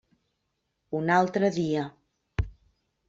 Un altre dia.